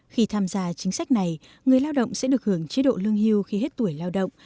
khi tham gia chính sách này người lao động sẽ được hưởng chế độ lương hưu khi hết tuổi lao động